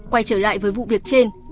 quay trở lại với vụ việc trên